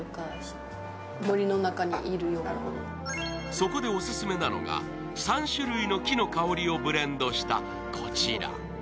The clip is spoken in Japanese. そこでオススメなのが３種類の木の香りをブレンドしたこちら。